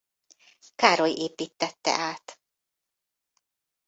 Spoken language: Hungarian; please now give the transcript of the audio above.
Károly építtette át.